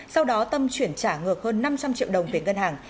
sau đó tâm chuyển trả ngược hơn năm trăm linh triệu đồng về ngân hàng